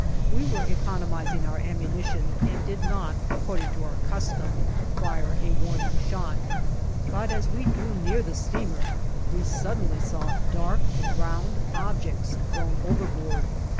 We were economizing our ammunition and did not, according to our custom, fire a warning shot, but as we drew near the steamer we suddenly saw dark, round objects thrown overboard.